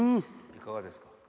いかがですか？